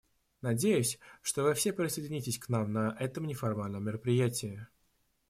Надеюсь, что вы все присоединитесь к нам на этом неформальном мероприятии.